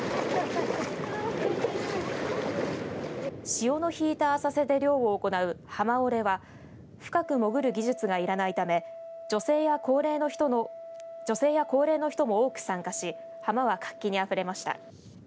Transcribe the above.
潮の引いた浅瀬で漁を行う浜下れは深く潜る技術がいらないため女性や高齢の人も多く参加し浜は活気にあふれました。